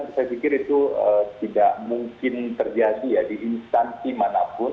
saya pikir itu tidak mungkin terjadi ya di instansi manapun